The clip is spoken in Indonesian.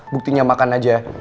buktinya makan aja